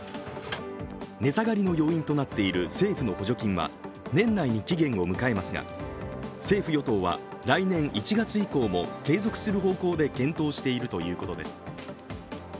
値下がりの要因となっている政府の補助金は年内に期限を迎えますが、政府・与党は来年１月以降も継続する方向で検討しているということです